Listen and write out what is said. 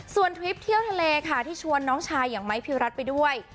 ส่วนทริปเที่ยวทะเลค่ะที่ชวนน้องชายอย่างไม้พิวรัฐไปด้วย